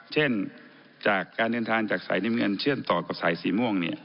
เช่นจากการเดินทางจากสายน้ำเงินเชื่อมต่อกับสายสีม่วง